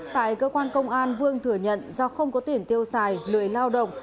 tại cơ quan công an vương thừa nhận do không có tiền tiêu xài lười lao động